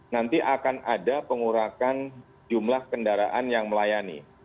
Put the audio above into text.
nanti akan ada pengurakan jumlah kendaraan yang melayani